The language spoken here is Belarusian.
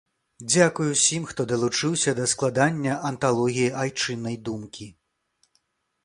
Дзякуй усім, хто далучыўся да складання анталогіі айчыннай думкі!